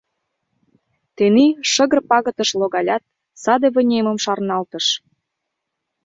Тений шыгыр пагытыш логалят, саде вынемым шарналтыш.